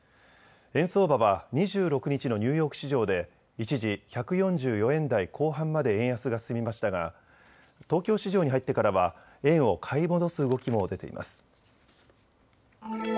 円相場は２６日のニューヨーク市場で一時、１４４円台後半まで円安が進みましたが東京市場に入ってからは円を買い戻す動きも出ています。